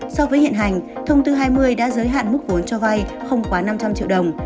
so với hiện hành thông tư hai mươi đã giới hạn mức vốn cho vay không quá năm trăm linh triệu đồng